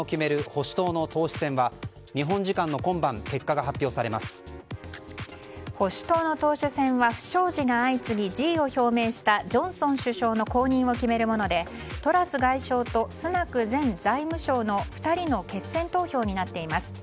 保守党の党首選は不祥事が相次ぎ辞意を表明したジョンソン首相の後任を決めるものでトラス外相とスナク前財務相の２人の決選投票になっています。